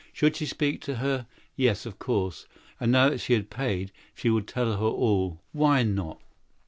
Should she speak to her? Yes, certainly. And now that she had paid, she would tell her all about it. Why not?